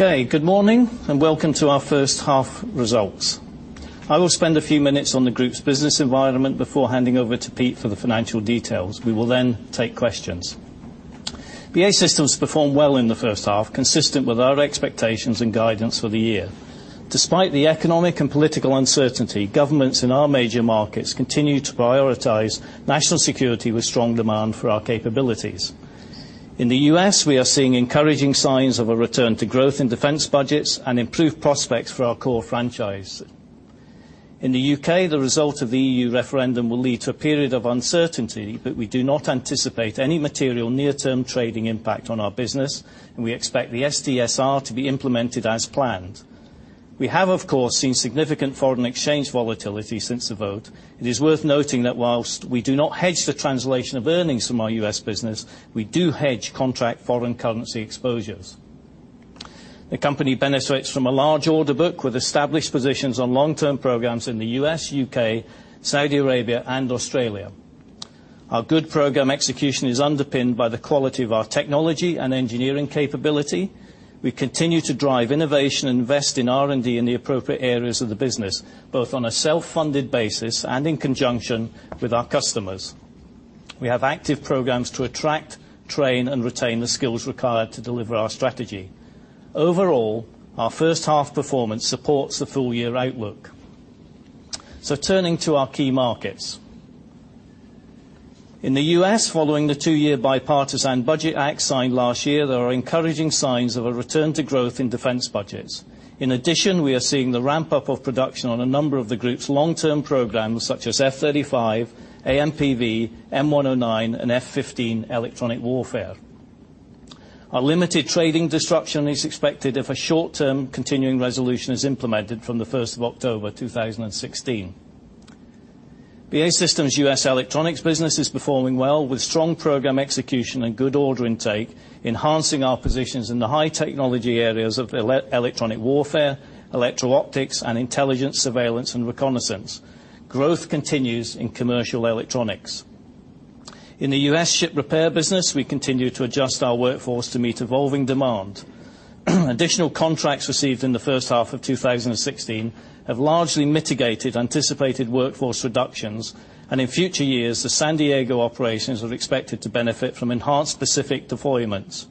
Good morning, welcome to our first half results. I will spend a few minutes on the group's business environment before handing over to Peter for the financial details. We will take questions. BAE Systems performed well in the first half, consistent with our expectations and guidance for the year. Despite the economic and political uncertainty, governments in our major markets continue to prioritize national security with strong demand for our capabilities. In the U.S., we are seeing encouraging signs of a return to growth in defense budgets and improved prospects for our core franchise. In the U.K., the result of the EU referendum will lead to a period of uncertainty. We do not anticipate any material near-term trading impact on our business. We expect the SDSR to be implemented as planned. We have, of course, seen significant foreign exchange volatility since the vote. It is worth noting that whilst we do not hedge the translation of earnings from our U.S. business, we do hedge contract foreign currency exposures. The company benefits from a large order book with established positions on long-term programs in the U.S., U.K., Saudi Arabia, and Australia. Our good program execution is underpinned by the quality of our technology and engineering capability. We continue to drive innovation and invest in R&D in the appropriate areas of the business, both on a self-funded basis and in conjunction with our customers. We have active programs to attract, train, and retain the skills required to deliver our strategy. Overall, our first-half performance supports the full-year outlook. Turning to our key markets. In the U.S., following the 2-year Bipartisan Budget Act signed last year, there are encouraging signs of a return to growth in defense budgets. In addition, we are seeing the ramp-up of production on a number of the group's long-term programs, such as F-35, AMPV, M109, and F-15 electronic warfare. A limited trading disruption is expected if a short-term continuing resolution is implemented from the 1st of October 2016. BAE Systems' U.S. electronics business is performing well, with strong program execution and good order intake, enhancing our positions in the high-technology areas of electronic warfare, electro-optics, and intelligence, surveillance, and reconnaissance. Growth continues in commercial electronics. In the U.S. ship repair business, we continue to adjust our workforce to meet evolving demand. Additional contracts received in the first half of 2016 have largely mitigated anticipated workforce reductions. In future years, the San Diego operations are expected to benefit from enhanced Pacific deployments,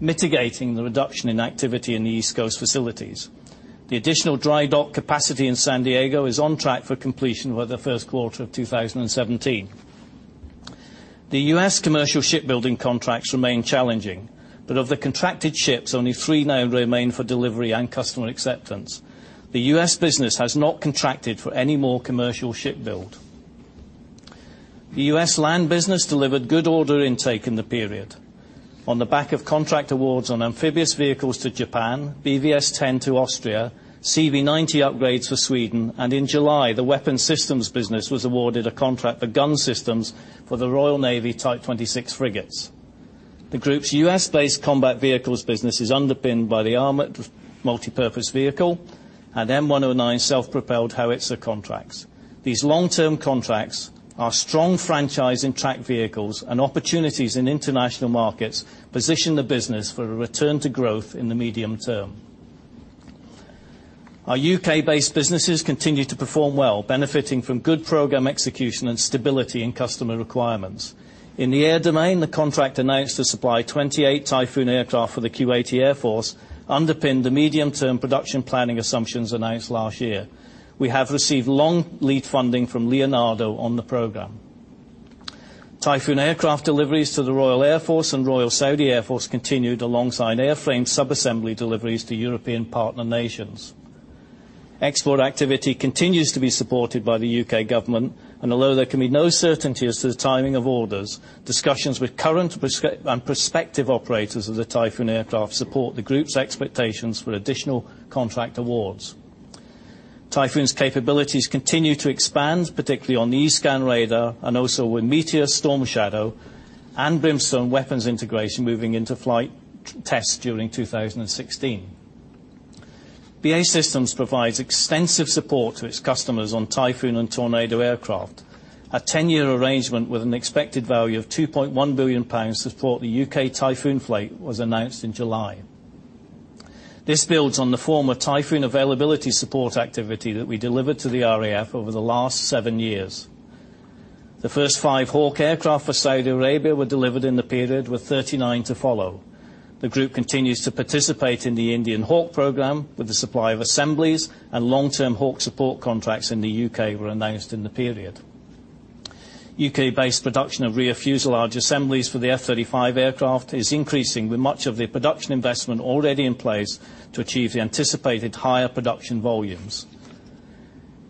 mitigating the reduction in activity in the East Coast facilities. The additional dry dock capacity in San Diego is on track for completion by the first quarter of 2017. The U.S. commercial shipbuilding contracts remain challenging. Of the contracted ships, only three now remain for delivery and customer acceptance. The U.S. business has not contracted for any more commercial ship build. The U.S. land business delivered good order intake in the period. On the back of contract awards on amphibious vehicles to Japan, BvS10 to Austria, CV90 upgrades for Sweden. In July, the weapons systems business was awarded a contract for gun systems for the Royal Navy Type 26 frigates. The group's U.S.-based combat vehicles business is underpinned by the Armored Multi-Purpose Vehicle and M109 self-propelled howitzer contracts. These long-term contracts are strong franchising tracked vehicles and opportunities in international markets position the business for a return to growth in the medium term. Our U.K.-based businesses continue to perform well, benefiting from good program execution and stability in customer requirements. In the air domain, the contract announced to supply 28 Typhoon aircraft for the Kuwaiti Air Force underpinned the medium-term production planning assumptions announced last year. We have received long lead funding from Leonardo on the program. Typhoon aircraft deliveries to the Royal Air Force and Royal Saudi Air Force continued alongside airframe sub-assembly deliveries to European partner nations. Export activity continues to be supported by the U.K. government, and although there can be no certainty as to the timing of orders, discussions with current and prospective operators of the Typhoon aircraft support the group's expectations for additional contract awards. Typhoon's capabilities continue to expand, particularly on the E-Scan radar and also with Meteor, Storm Shadow and Brimstone weapons integration moving into flight tests during 2016. BAE Systems provides extensive support to its customers on Typhoon and Tornado aircraft. A 10-year arrangement with an expected value of 2.1 billion pounds to support the U.K. Typhoon fleet was announced in July. This builds on the former Typhoon availability support activity that we delivered to the RAF over the last seven years. The first five Hawk aircraft for Saudi Arabia were delivered in the period, with 39 to follow. The group continues to participate in the Indian Hawk program with the supply of assemblies, and long-term Hawk support contracts in the U.K. were announced in the period. U.K.-based production of rear fuselage assemblies for the F-35 aircraft is increasing, with much of the production investment already in place to achieve the anticipated higher production volumes.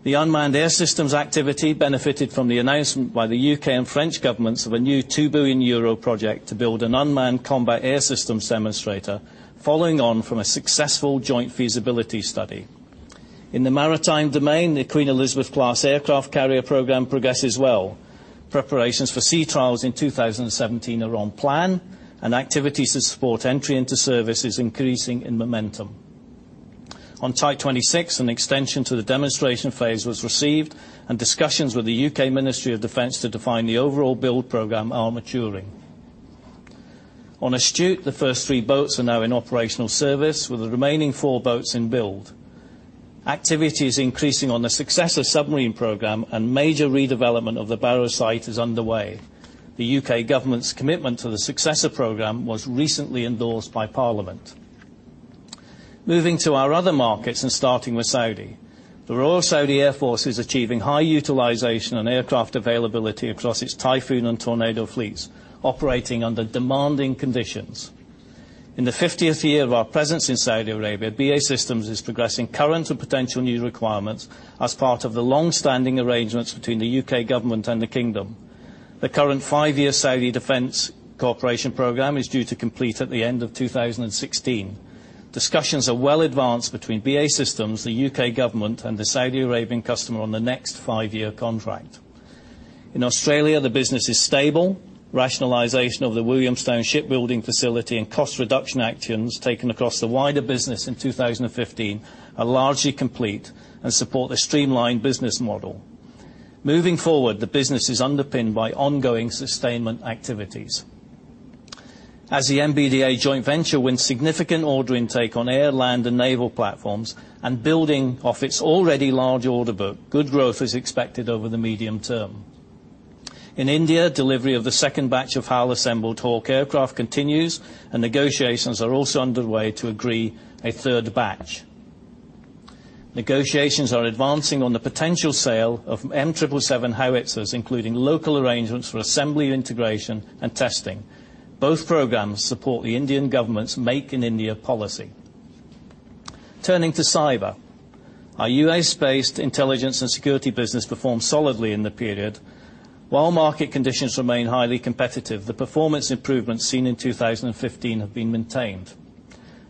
The unmanned air systems activity benefited from the announcement by the U.K. and French governments of a new 2 billion euro project to build an unmanned combat air systems demonstrator, following on from a successful joint feasibility study. In the maritime domain, the Queen Elizabeth Class aircraft carrier program progresses well. Preparations for sea trials in 2017 are on plan, and activities to support entry into service is increasing in momentum. On Type 26, an extension to the demonstration phase was received, and discussions with the U.K. Ministry of Defence to define the overall build program are maturing. On Astute, the first three boats are now in operational service, with the remaining four boats in build. Activity is increasing on the Successor submarine program, and major redevelopment of the Barrow site is underway. The U.K. government's commitment to the Successor program was recently endorsed by Parliament. Moving to our other markets and starting with Saudi. The Royal Saudi Air Force is achieving high utilization and aircraft availability across its Typhoon and Tornado fleets, operating under demanding conditions. In the 50th year of our presence in Saudi Arabia, BAE Systems is progressing current and potential new requirements as part of the longstanding arrangements between the U.K. government and the kingdom. The current five-year Saudi defense cooperation program is due to complete at the end of 2016. Discussions are well advanced between BAE Systems, the U.K. government, and the Saudi Arabian customer on the next five-year contract. In Australia, the business is stable. Rationalization of the Williamstown shipbuilding facility and cost reduction actions taken across the wider business in 2015 are largely complete and support the streamlined business model. Moving forward, the business is underpinned by ongoing sustainment activities. As the MBDA joint venture wins significant order intake on air, land, and naval platforms, and building off its already large order book, good growth is expected over the medium term. In India, delivery of the second batch of HAL-assembled Hawk aircraft continues, and negotiations are also underway to agree a third batch. Negotiations are advancing on the potential sale of M777 howitzers, including local arrangements for assembly, integration, and testing. Both programs support the Indian government's Make in India policy. Turning to cyber. Our U.S.-based intelligence and security business performed solidly in the period. While market conditions remain highly competitive, the performance improvements seen in 2015 have been maintained.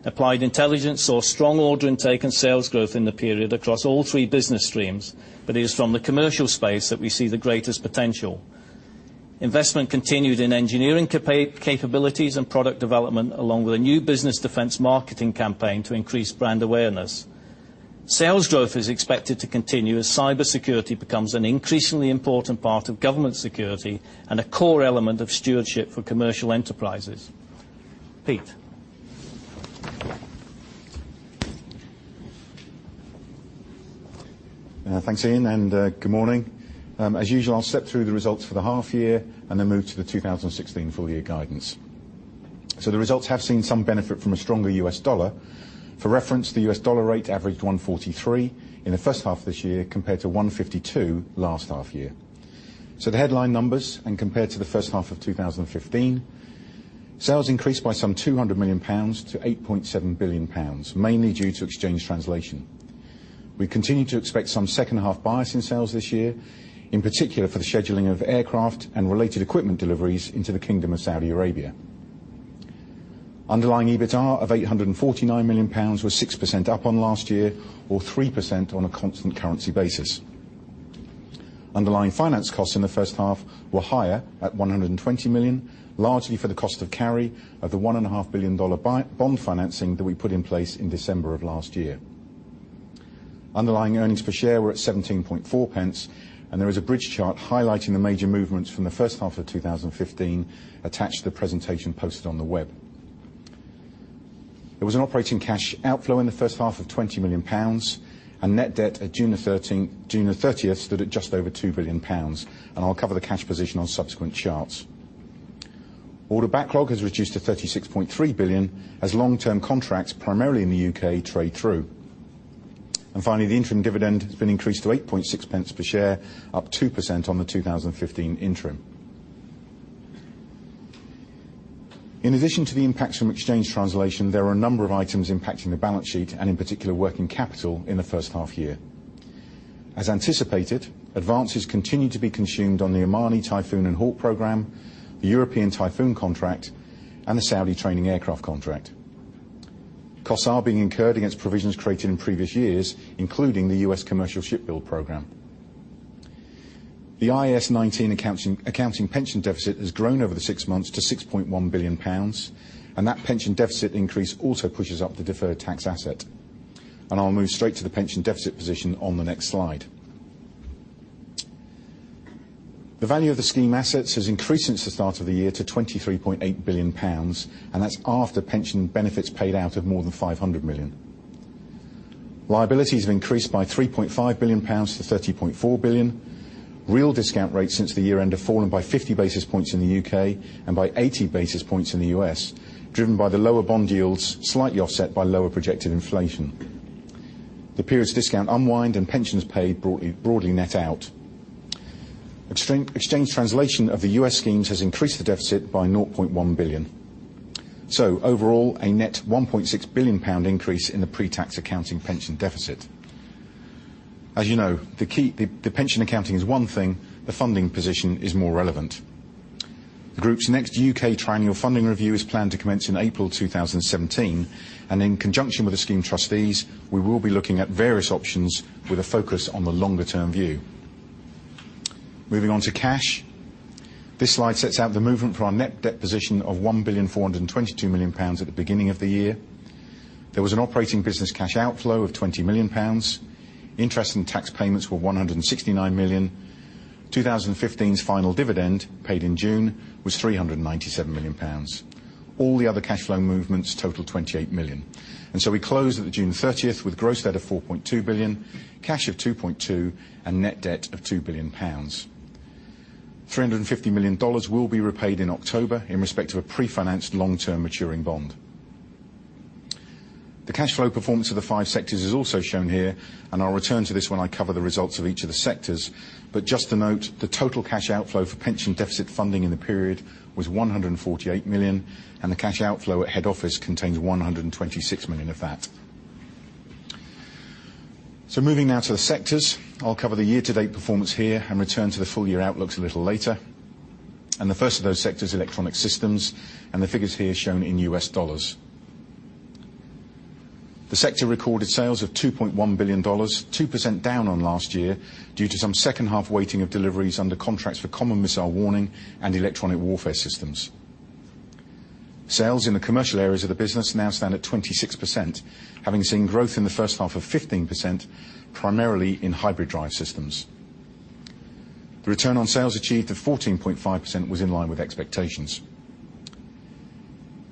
Applied Intelligence saw strong order intake and sales growth in the period across all three business streams, but it is from the commercial space that we see the greatest potential. Investment continued in engineering capabilities and product development, along with a new business defense marketing campaign to increase brand awareness. Sales growth is expected to continue as cybersecurity becomes an increasingly important part of government security and a core element of stewardship for commercial enterprises. Pete? Thanks, Ian, good morning. As usual, I'll step through the results for the half year and then move to the 2016 full year guidance. The results have seen some benefit from a stronger U.S. dollar. For reference, the U.S. dollar rate averaged $143 in the first half of this year compared to $152 last half year. The headline numbers, and compared to the first half of 2015, sales increased by some 200 million pounds to 8.7 billion pounds, mainly due to exchange translation. We continue to expect some second half bias in sales this year, in particular for the scheduling of aircraft and related equipment deliveries into the Kingdom of Saudi Arabia. Underlying EBITA of 849 million pounds was 6% up on last year, or 3% on a constant currency basis. Underlying finance costs in the first half were higher at 120 million, largely for the cost of carry of the GBP 1.5 billion bond financing that we put in place in December of last year. Underlying earnings per share were at 0.174, and there is a bridge chart highlighting the major movements from the first half of 2015 attached to the presentation posted on the web. There was an operating cash outflow in the first half of 20 million pounds, and net debt at June 30th stood at just over 2 billion pounds, and I'll cover the cash position on subsequent charts. Order backlog has reduced to 36.3 billion as long-term contracts, primarily in the U.K., trade through. Finally, the interim dividend has been increased to 0.086 per share, up 2% on the 2015 interim. In addition to the impacts from exchange translation, there are a number of items impacting the balance sheet, and in particular, working capital in the first half year. As anticipated, advances continue to be consumed on the Omani Typhoon and Hawk program, the European Typhoon contract, and the Saudi training aircraft contract. Costs are being incurred against provisions created in previous years, including the U.S. commercial ship build program. The IAS 19 accounting pension deficit has grown over the six months to 6.1 billion pounds, and that pension deficit increase also pushes up the deferred tax asset. I'll move straight to the pension deficit position on the next slide. The value of the scheme assets has increased since the start of the year to 23.8 billion pounds, and that's after pension benefits paid out of more than 500 million. Liabilities have increased by 3.5 billion pounds to 30.4 billion. Real discount rates since the year-end have fallen by 50 basis points in the U.K. and by 80 basis points in the U.S., driven by the lower bond yields, slightly offset by lower projected inflation. The period's discount unwind and pensions paid broadly net out. Exchange translation of the U.S. schemes has increased the deficit by 0.1 billion. Overall, a net 1.6 billion pound increase in the pre-tax accounting pension deficit. As you know, the pension accounting is one thing, the funding position is more relevant. The group's next U.K. triennial funding review is planned to commence in April 2017, and in conjunction with the scheme trustees, we will be looking at various options with a focus on the longer-term view. Moving on to cash. This slide sets out the movement for our net debt position of 1.422 billion pounds at the beginning of the year. There was an operating business cash outflow of 20 million pounds. Interest and tax payments were 169 million. 2015's final dividend, paid in June, was 397 million pounds. All the other cash flow movements total 28 million. We close at June 30th with gross debt of 4.2 billion, cash of 2.2, and net debt of 2 billion pounds. GBP 350 million will be repaid in October in respect of a pre-financed long-term maturing bond. The cash flow performance of the five sectors is also shown here, and I'll return to this when I cover the results of each of the sectors. Just to note, the total cash outflow for pension deficit funding in the period was 148 million, and the cash outflow at head office contains 126 million of that. Moving now to the sectors. I'll cover the year-to-date performance here and return to the full-year outlooks a little later. The first of those sectors, Electronic Systems, and the figures here shown in U.S. dollars. The sector recorded sales of $2.1 billion, 2% down on last year, due to some second half waiting of deliveries under contracts for Common Missile Warning System and electronic warfare systems. Sales in the commercial areas of the business now stand at 26%, having seen growth in the first half of 15%, primarily in hybrid drive systems. The return on sales achieved of 14.5% was in line with expectations.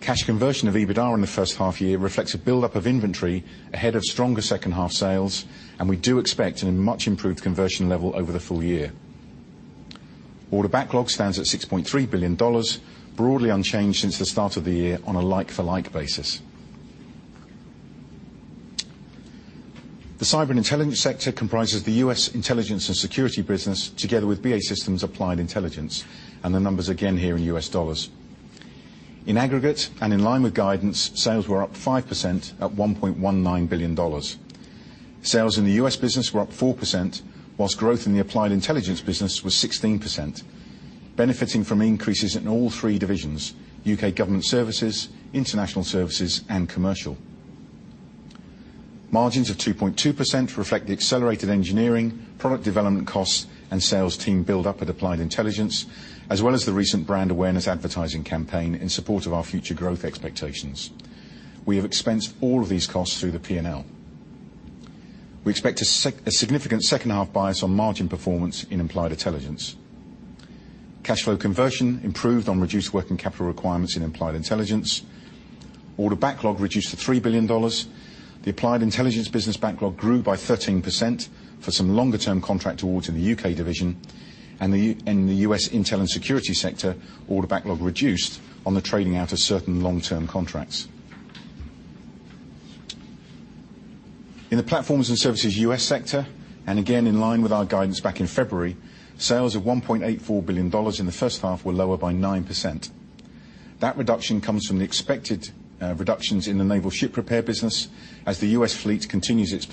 Cash conversion of EBITDA in the first half year reflects a buildup of inventory ahead of stronger second half sales. We do expect a much improved conversion level over the full year. Order backlog stands at $6.3 billion, broadly unchanged since the start of the year on a like-for-like basis. The cyber and intelligence sector comprises the U.S. intelligence and security business, together with BAE Systems Applied Intelligence, the numbers again here in U.S. dollars. In aggregate, in line with guidance, sales were up 5% at $1.19 billion. Sales in the U.S. business were up 4%, whilst growth in the Applied Intelligence business was 16%, benefiting from increases in all three divisions: U.K. government services, international services, and commercial. Margins of 2.2% reflect the accelerated engineering, product development costs, and sales team buildup at Applied Intelligence, as well as the recent brand awareness advertising campaign in support of our future growth expectations. We have expensed all of these costs through the P&L. We expect a significant second half bias on margin performance in Applied Intelligence. Cash flow conversion improved on reduced working capital requirements in Applied Intelligence. Order backlog reduced to $3 billion. The Applied Intelligence business backlog grew by 13% for some longer-term contract awards in the U.K. division. In the U.S. intel and security sector, order backlog reduced on the trading out of certain long-term contracts. In the platforms and services U.S. sector, again in line with our guidance back in February, sales of $1.84 billion in the first half were lower by 9%. That reduction comes from the expected reductions in the naval ship repair business as the U.S. fleet continues its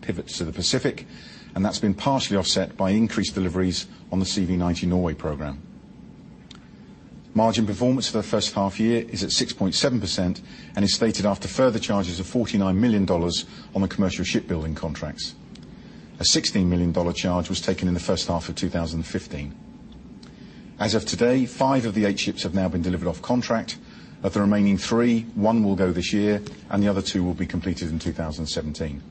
pivots to the Pacific, that's been partially offset by increased deliveries on the CV90 Norway program. Margin performance for the first half year is at 6.7% and is stated after further charges of $49 million on the commercial shipbuilding contracts. A $16 million charge was taken in the first half of 2015. As of today, five of the eight ships have now been delivered off contract. Of the remaining three, one will go this year, the other two will be completed in 2017.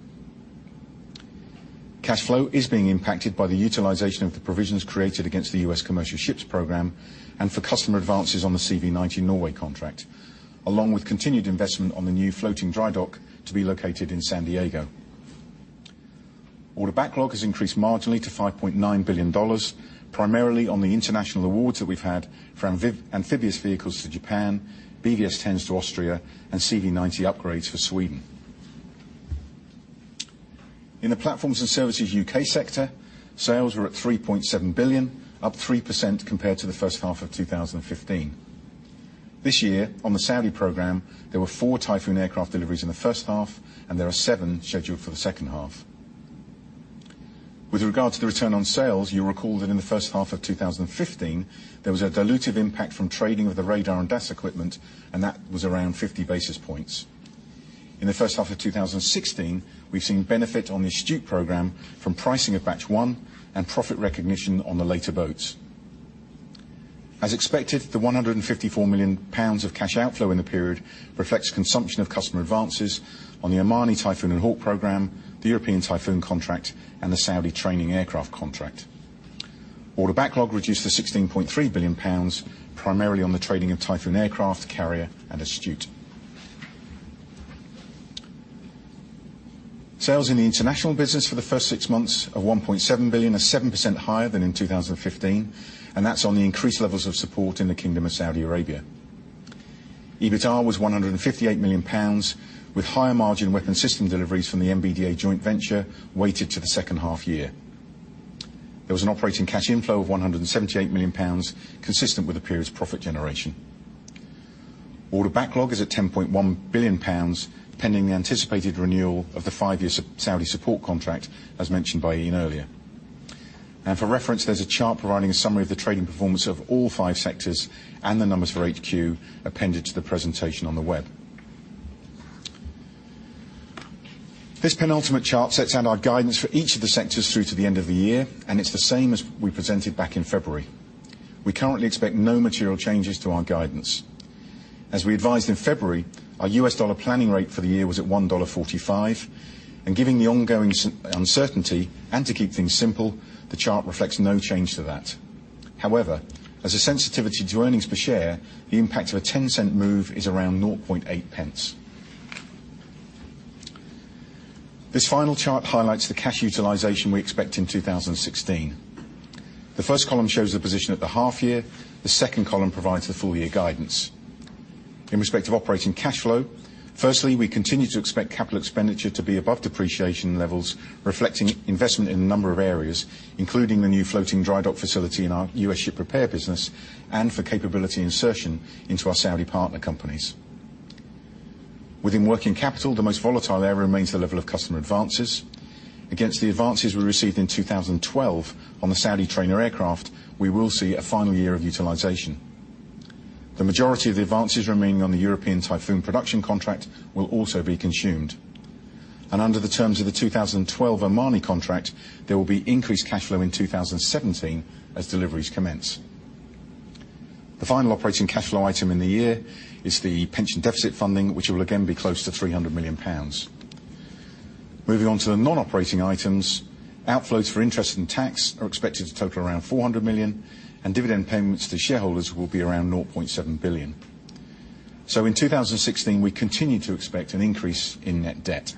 Cash flow is being impacted by the utilization of the provisions created against the U.S. commercial ships program and for customer advances on the CV90 Norway contract, along with continued investment on the new floating dry dock to be located in San Diego. Order backlog has increased marginally to $5.9 billion, primarily on the international awards that we've had for amphibious vehicles to Japan, BvS10s to Austria, and CV90 upgrades for Sweden. In the platforms and services U.K. sector, sales were at 3.7 billion, up 3% compared to the first half of 2015. This year, on the Saudi program, there were four Typhoon aircraft deliveries in the first half, and there are seven scheduled for the second half. With regard to the return on sales, you'll recall that in the first half of 2015, there was a dilutive impact from trading of the radar and DAS equipment, that was around 50 basis points. In the first half of 2016, we've seen benefit on the Astute program from pricing of Batch 1 and profit recognition on the later boats. As expected, the £154 million of cash outflow in the period reflects consumption of customer advances on the Omani Typhoon and Hawk program, the European Typhoon contract, and the Saudi training aircraft contract. Order backlog reduced to £16.3 billion, primarily on the trading of Typhoon aircraft, carrier, and Astute. Sales in the international business for the first six months of 1.7 billion are 7% higher than in 2015, that's on the increased levels of support in the Kingdom of Saudi Arabia. EBITDA was 158 million pounds, with higher margin weapon system deliveries from the MBDA joint venture weighted to the second half year. There was an operating cash inflow of 178 million pounds, consistent with the period's profit generation. Order backlog is at 10.1 billion pounds, pending the anticipated renewal of the five-year Saudi support contract, as mentioned by Ian earlier. For reference, there's a chart providing a summary of the trading performance of all five sectors and the numbers for HQ appended to the presentation on the web. This penultimate chart sets out our guidance for each of the sectors through to the end of the year, it's the same as we presented back in February. We currently expect no material changes to our guidance. As we advised in February, our US dollar planning rate for the year was at $1.45, given the ongoing uncertainty, to keep things simple, the chart reflects no change to that. However, as a sensitivity to earnings per share, the impact of a $0.10 move is around 0.008. This final chart highlights the cash utilization we expect in 2016. The first column shows the position at the half year. The second column provides the full year guidance. In respect of operating cash flow, we continue to expect capital expenditure to be above depreciation levels, reflecting investment in a number of areas, including the new floating dry dock facility in our US ship repair business, for capability insertion into our Saudi partner companies. Within working capital, the most volatile area remains the level of customer advances. Against the advances we received in 2012 on the Saudi trainer aircraft, we will see a final year of utilization. The majority of the advances remaining on the European Typhoon production contract will also be consumed. Under the terms of the 2012 Omani contract, there will be increased cash flow in 2017 as deliveries commence. The final operating cash flow item in the year is the pension deficit funding, which will again be close to 300 million pounds. Moving on to the non-operating items, outflows for interest in tax are expected to total around 400 million, dividend payments to shareholders will be around 0.7 billion. In 2016, we continue to expect an increase in net debt.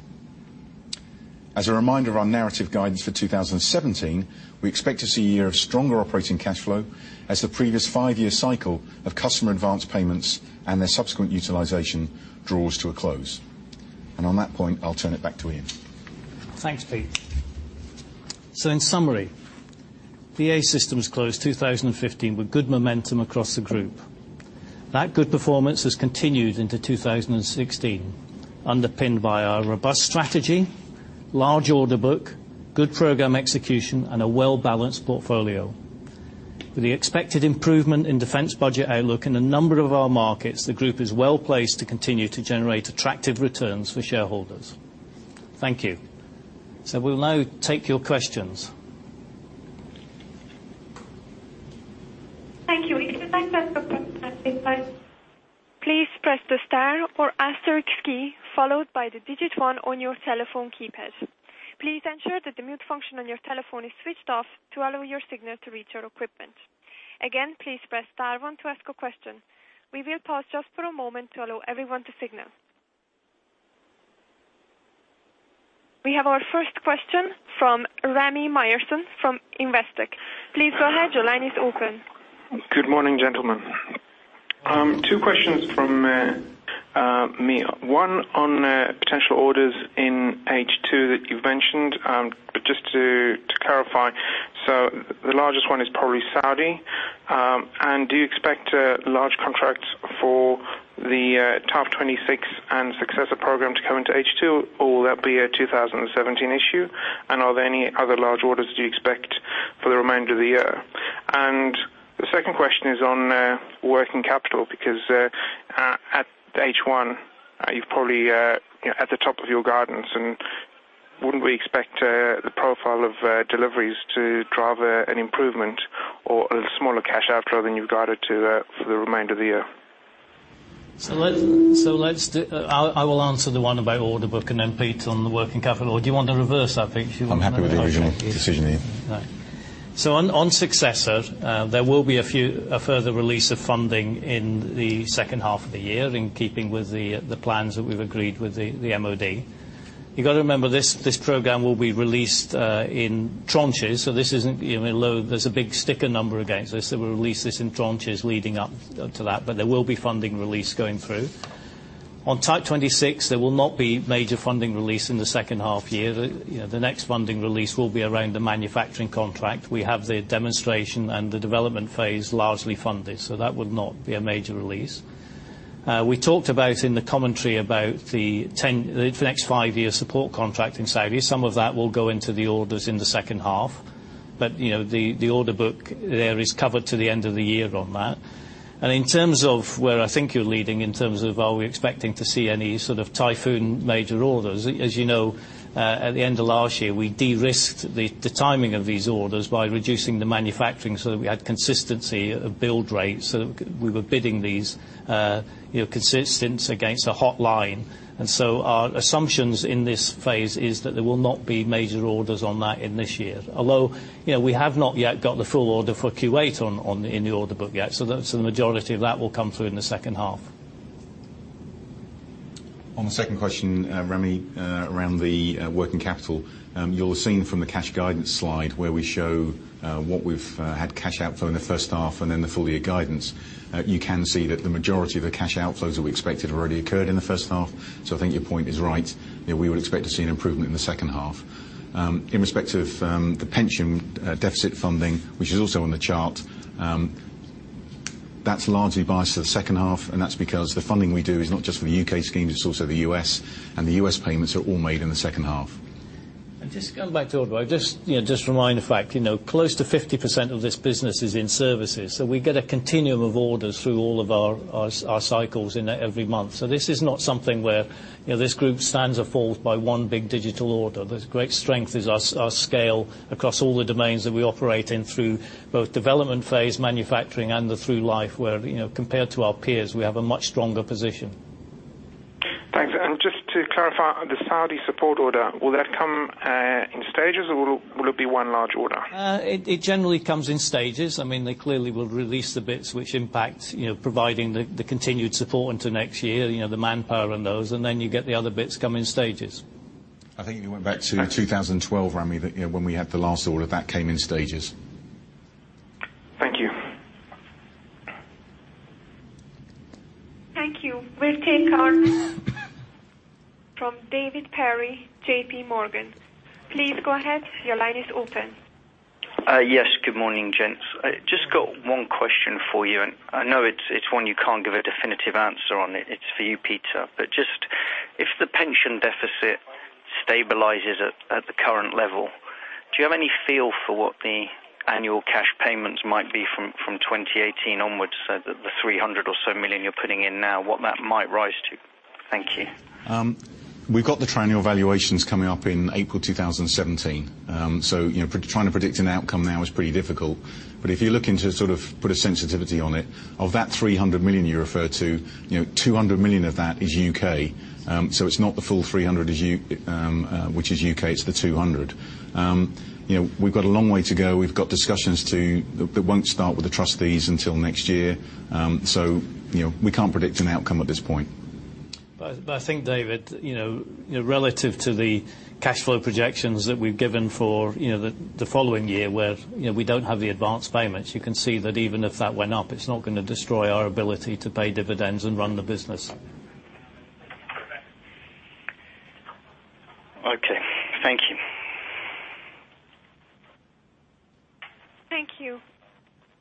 As a reminder of our narrative guidance for 2017, we expect to see a year of stronger operating cash flow as the previous five-year cycle of customer advance payments and their subsequent utilization draws to a close. On that point, I'll turn it back to Ian. Thanks, Pete. In summary, BAE Systems closed 2015 with good momentum across the group. That good performance has continued into 2016, underpinned by our robust strategy, large order book, good program execution, and a well-balanced portfolio. With the expected improvement in defense budget outlook in a number of our markets, the group is well placed to continue to generate attractive returns for shareholders. Thank you. We'll now take your questions. Thank you. If you'd like to ask a question at this time, please press the star or asterisk key, followed by the digit 1 on your telephone keypad. Please ensure that the mute function on your telephone is switched off to allow your signal to reach our equipment. Again, please press star one to ask a question. We will pause just for a moment to allow everyone to signal. We have our first question from Rami Myerson from Investec. Please go ahead. Your line is open. Good morning, gentlemen. Two questions from me. One on potential orders in H2 that you've mentioned. Just to clarify, the largest one is probably Saudi. Do you expect large contracts for the Type 26 and Successor program to come into H2, or will that be a 2017 issue? Are there any other large orders that you expect for the remainder of the year? The second question is on working capital, because, at H1, you're probably at the top of your guidance. Wouldn't we expect the profile of deliveries to drive an improvement or a smaller cash outflow than you've guided to for the remainder of the year? I will answer the one about order book, and then Pete on the working capital. Do you want to reverse that, Pete? I'm happy with the original decision, Ian. All right. On Successor, there will be a further release of funding in the second half of the year, in keeping with the plans that we've agreed with the MOD. You've got to remember, this program will be released in tranches, there's a big sticker number against this, that we'll release this in tranches leading up to that, but there will be funding release going through. On Type 26, there will not be major funding release in the second half year. The next funding release will be around the manufacturing contract. We have the demonstration and the development phase largely funded, so that would not be a major release. We talked about in the commentary about the next five-year support contract in Saudi. Some of that will go into the orders in the second half. The order book there is covered to the end of the year on that. In terms of where I think you're leading, in terms of are we expecting to see any sort of Typhoon major orders, as you know, at the end of last year, we de-risked the timing of these orders by reducing the manufacturing so that we had consistency of build rates, that we were bidding these consistent against a hotline. Our assumptions in this phase is that there will not be major orders on that in this year. Although, we have not yet got the full order for Kuwait in the order book yet. The majority of that will come through in the second half. On the second question, Rami, around the working capital, you'll have seen from the cash guidance slide where we show what we've had cash outflow in the first half and then the full year guidance. You can see that the majority of the cash outflows that we expected already occurred in the first half. I think your point is right, that we would expect to see an improvement in the second half. In respect of the pension deficit funding, which is also on the chart, that's largely biased to the second half, and that's because the funding we do is not just for the U.K. scheme, it's also the U.S. The U.S. payments are all made in the second half. Just going back to order book, just remind the fact, close to 50% of this business is in services. We get a continuum of orders through all of our cycles in every month. This is not something where this group stands or falls by one big digital order. There's great strength is our scale across all the domains that we operate in through both development phase, manufacturing, and the through life, where, compared to our peers, we have a much stronger position. Thanks. Just to clarify, the Saudi support order, will that come in stages or will it be one large order? It generally comes in stages. They clearly will release the bits which impact, providing the continued support into next year, the manpower and those, then you get the other bits come in stages. I think if you went back to 2012, Rami, when we had the last order, that came in stages. Thank you. Thank you. We'll take our from David Perry, J.P. Morgan. Please go ahead. Your line is open. Yes, good morning, gents. I just got one question for you, and I know it's one you can't give a definitive answer on it. It's for you, Peter. Just, if the pension deficit stabilizes at the current level, do you have any feel for what the annual cash payments might be from 2018 onwards? The 300 million or so you're putting in now, what that might rise to? Thank you. We've got the triennial valuations coming up in April 2017. Trying to predict an outcome now is pretty difficult. If you're looking to sort of put a sensitivity on it, of that 300 million you refer to, 200 million of that is U.K. It's not the full 300 which is U.K., it's the 200. We've got a long way to go. We've got discussions too that won't start with the trustees until next year. We can't predict an outcome at this point. I think, David, relative to the cash flow projections that we've given for the following year, where we don't have the advanced payments, you can see that even if that went up, it's not going to destroy our ability to pay dividends and run the business. Okay. Thank you. Thank you.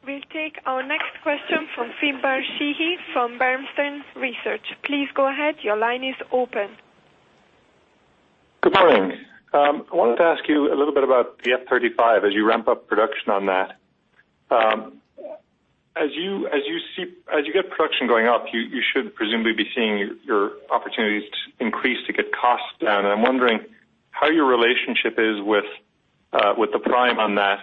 We'll take our next question from Finbar Sheehy from Bernstein Research. Please go ahead. Your line is open. Good morning. I wanted to ask you a little bit about the F-35 as you ramp up production on that. As you get production going up, you should presumably be seeing your opportunities increase to get costs down, and I'm wondering how your relationship is with the prime on that.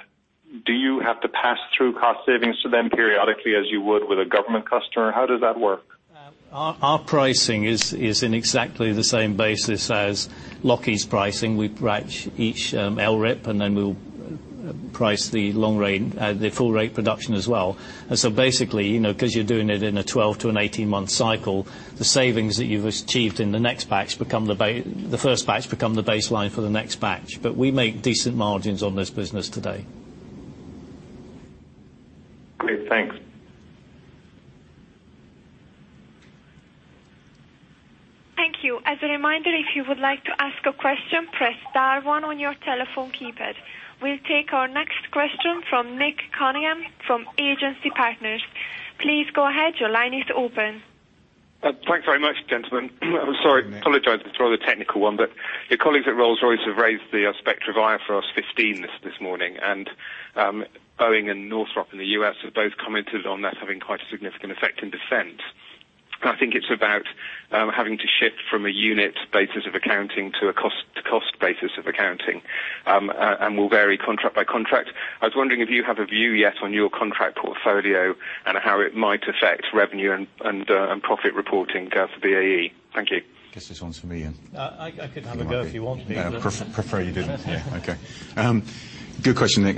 Do you have to pass through cost savings to them periodically as you would with a government customer? How does that work? Our pricing is in exactly the same basis as Lockheed's pricing. We price each LRIP, then we'll price the full rate production as well. Basically, because you're doing it in a 12 to an 18-month cycle, the savings that you've achieved in the first batch become the baseline for the next batch. We make decent margins on this business today. Great. Thanks. Thank you. As a reminder, if you would like to ask a question, press star one on your telephone keypad. We'll take our next question from Nick Cunningham from Agency Partners. Please go ahead. Your line is open. Thanks very much, gentlemen. I'm sorry. Apologize, it's a rather technical one. Your colleagues at Rolls-Royce have raised the specter of IFRS 15 this morning. Boeing and Northrop in the U.S. have both commented on that having quite a significant effect in defense. I think it's about having to shift from a unit basis of accounting to a cost basis of accounting, and will vary contract by contract. I was wondering if you have a view yet on your contract portfolio and how it might affect revenue and profit reporting for BAE. Thank you. I guess this one's for me. I could have a go if you want me. No, prefer you didn't. Okay. Good question, Nick.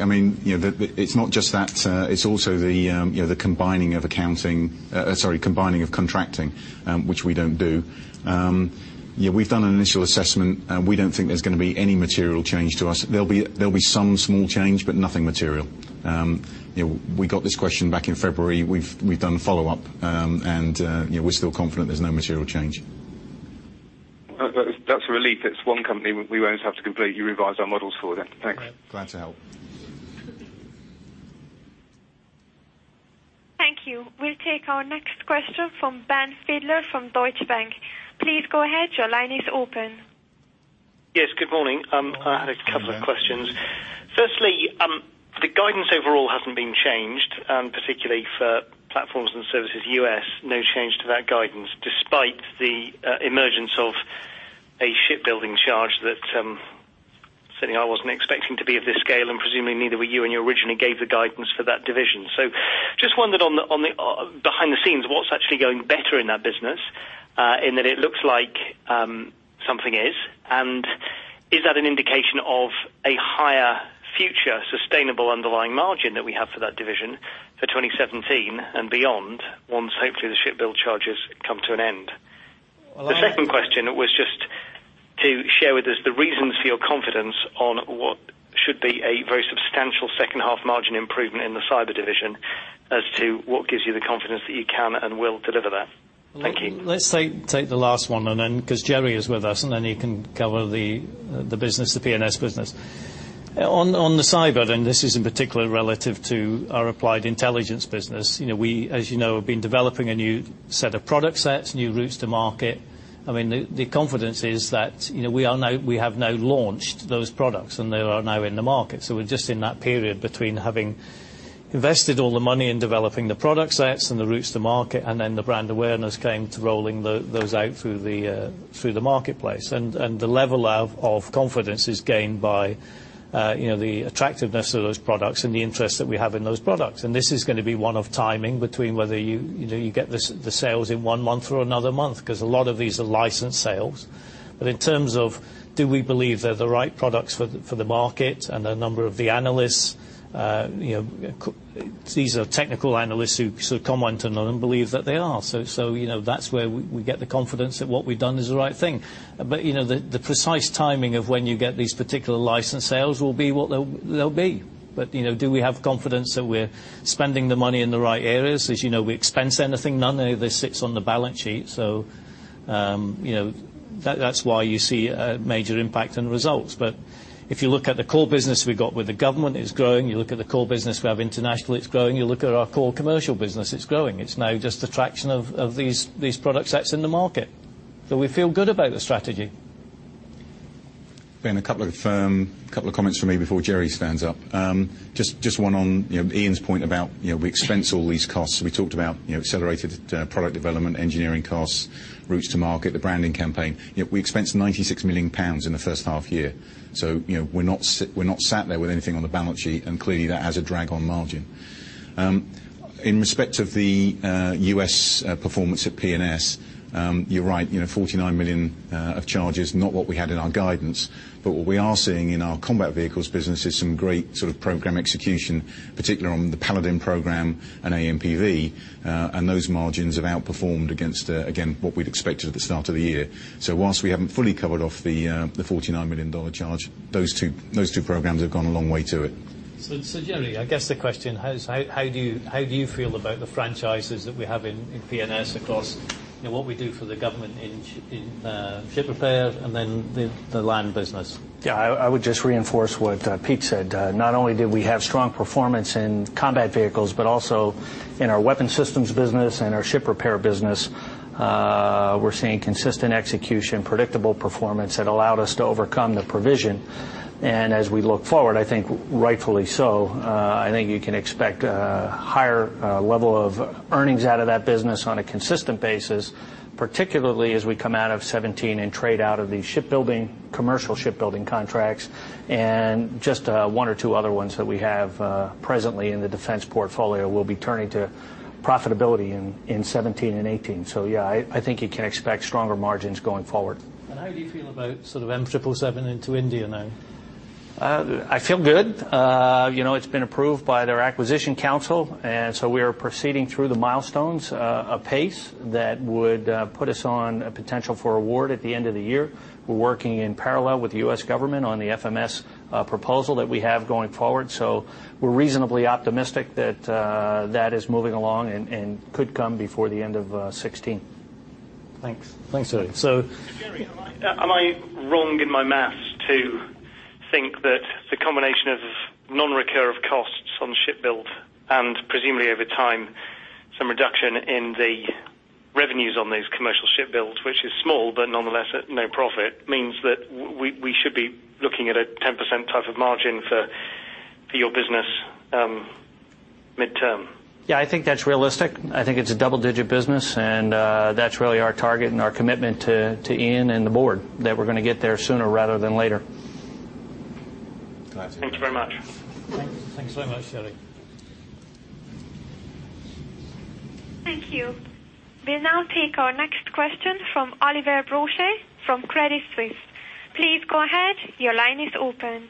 It's not just that. It's also the combining of contracting, which we don't do. We've done an initial assessment, we don't think there's going to be any material change to us. There'll be some small change, nothing material. We got this question back in February. We've done follow-up, we're still confident there's no material change. That's a relief. It's one company we won't have to completely revise our models for then. Thanks. Glad to help. Thank you. We'll take our next question from Ben Fidler from Deutsche Bank. Please go ahead. Your line is open. Yes, good morning. Good morning. I had a couple of questions. Firstly, the guidance overall hasn't been changed, particularly for Platforms and Services U.S., no change to that guidance, despite the emergence of a shipbuilding charge that certainly I wasn't expecting to be of this scale, and presumably neither were you when you originally gave the guidance for that division. Just wondered on the behind the scenes, what's actually going better in that business, in that it looks like something is? Is that an indication of a higher future sustainable underlying margin that we have for that division for 2017 and beyond, once hopefully the ship build charges come to an end? The second question was just to share with us the reasons for your confidence on what should be a very substantial second half margin improvement in the cyber division as to what gives you the confidence that you can and will deliver that. Thank you. Let's take the last one, because Gerry is with us, and he can cover the P&S business. On the cyber, this is in particular relative to our Applied Intelligence business. As you know, we've been developing a new set of product sets, new routes to market. The confidence is that we have now launched those products, and they are now in the market. We're just in that period between having invested all the money in developing the product sets and the routes to market, and the brand awareness came to rolling those out through the marketplace. The level of confidence is gained by the attractiveness of those products and the interest that we have in those products. This is going to be one of timing between whether you get the sales in one month or another month, because a lot of these are licensed sales. In terms of, do we believe they're the right products for the market and a number of the analysts, these are technical analysts who sort of comment and believe that they are. That's where we get the confidence that what we've done is the right thing. The precise timing of when you get these particular license sales will be what they'll be. Do we have confidence that we're spending the money in the right areas? As you know, we expense anything. None of this sits on the balance sheet. That's why you see a major impact on results. If you look at the core business we've got with the government, it's growing. You look at the core business we have internationally, it's growing. You look at our core commercial business, it's growing. It's now just the traction of these product sets in the market. We feel good about the strategy. Ben, a couple of comments from me before Gerry stands up. Just one on Ian's point about we expense all these costs. We talked about accelerated product development, engineering costs, routes to market, the branding campaign. We expensed 96 million pounds in the first half year. We're not sat there with anything on the balance sheet, and clearly, that has a drag on margin. In respect of the U.S. performance at P&S, you're right, $49 million of charge is not what we had in our guidance. What we are seeing in our combat vehicles business is some great sort of program execution, particularly on the Paladin program and AMPV. Those margins have outperformed against what we'd expected at the start of the year. Whilst we haven't fully covered off the $49 million charge, those two programs have gone a long way to it. Gerry, I guess the question, how do you feel about the franchises that we have in P&S across what we do for the government in ship repair and then the land business? Yeah, I would just reinforce what Pete said. Not only did we have strong performance in combat vehicles, but also in our weapon systems business and our ship repair business. We're seeing consistent execution, predictable performance that allowed us to overcome the provision. As we look forward, I think rightfully so, I think you can expect a higher level of earnings out of that business on a consistent basis, particularly as we come out of 2017 and trade out of these commercial shipbuilding contracts and just one or two other ones that we have presently in the defense portfolio will be turning to profitability in 2017 and 2018. Yeah, I think you can expect stronger margins going forward. How do you feel about sort of M777 into India now? I feel good. It's been approved by their acquisition council, we are proceeding through the milestones, a pace that would put us on a potential for award at the end of the year. We're working in parallel with the U.S. government on the FMS proposal that we have going forward. We're reasonably optimistic that is moving along and could come before the end of 2016. Thanks. Thanks, Gerry. Gerry, am I wrong in my math to think that the combination of non-recurring costs on ship build and presumably over time, some reduction in the revenues on those commercial ship builds, which is small, but nonetheless, no profit, means that we should be looking at a 10% type of margin for your business midterm? Yeah, I think that's realistic. I think it's a double-digit business, and that's really our target and our commitment to Ian and the board, that we're going to get there sooner rather than later. Thanks very much. Thanks very much, Gerry. Thank you. We'll now take our next question from Olivier Brochet from Credit Suisse. Please go ahead. Your line is open.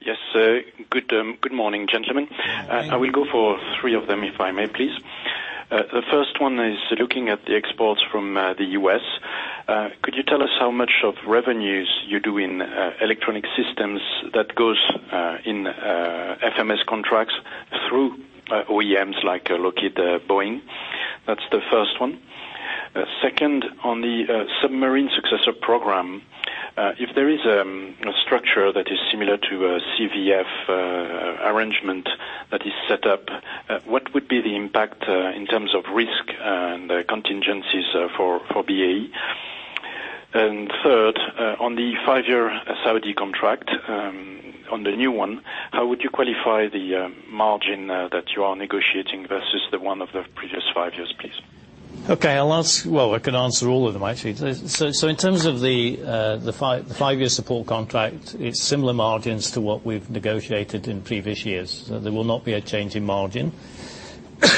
Yes, sir. Good morning, gentlemen. Good morning. I will go for three of them, if I may, please. The first one is looking at the exports from the U.S. Could you tell us how much of revenues you do in electronic systems that goes in FMS contracts through OEMs like Lockheed, Boeing? That's the first one. Second, on the submarine Successor program, if there is a structure that is similar to a CVF arrangement that is set up, what would be the impact in terms of risk and contingencies for BAE? Third, on the five-year Saudi contract, on the new one, how would you qualify the margin that you are negotiating versus the one of the previous five years, please? Well, I can answer all of them, actually. In terms of the five-year support contract, it's similar margins to what we've negotiated in previous years. There will not be a change in margin.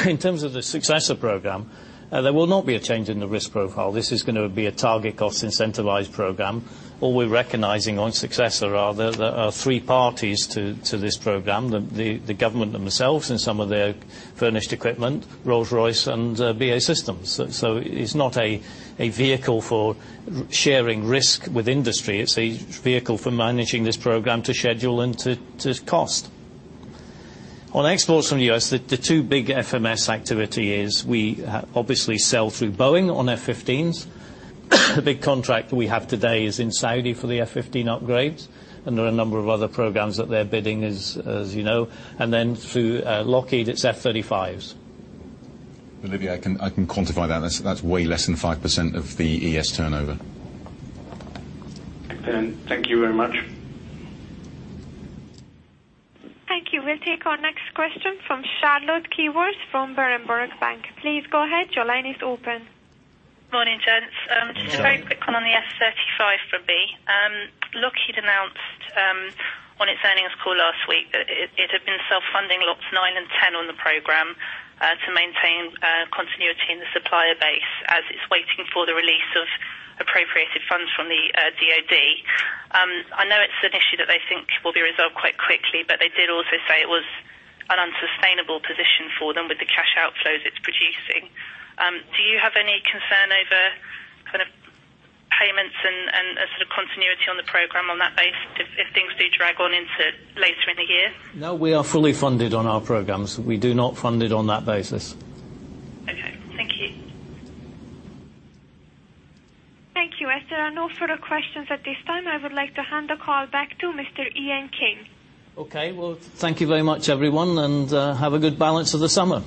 In terms of the Successor program, there will not be a change in the risk profile. This is going to be a target cost incentivized program. All we're recognizing on Successor are there are three parties to this program, the government themselves and some of their furnished equipment, Rolls-Royce and BAE Systems. It's not a vehicle for sharing risk with industry. It's a vehicle for managing this program to schedule and to cost. On exports from the U.S., the two big FMS activity is we obviously sell through Boeing on F-15s. The big contract that we have today is in Saudi for the F-15 upgrades. There are a number of other programs that they're bidding, as you know. Then through Lockheed, it's F-35s. Olivier, I can quantify that. That's way less than 5% of the ES turnover. Thank you very much. Thank you. We'll take our next question from Charlotte Keyworth from Berenberg Bank. Please go ahead. Your line is open. Morning, gents. Morning. Just a very quick one on the F-35 from me. Lockheed announced on its earnings call last week that it had been self-funding lots 9 and 10 on the program to maintain continuity in the supplier base as it's waiting for the release of appropriated funds from the DoD. I know it's an issue that they think will be resolved quite quickly. They did also say it was an unsustainable position for them with the cash outflows it's producing. Do you have any concern over payments and sort of continuity on the program on that base if things do drag on into later in the year? No, we are fully funded on our programs. We do not fund it on that basis. Okay. Thank you. Thank you. As there are no further questions at this time, I would like to hand the call back to Mr. Ian King. Okay. Well, thank you very much, everyone, and have a good balance of the summer